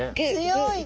強い！